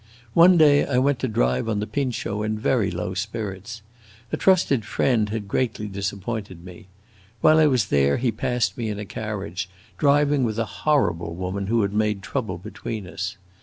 One day I went to drive on the Pincio in very low spirits. A trusted friend had greatly disappointed me. While I was there he passed me in a carriage, driving with a horrible woman who had made trouble between us.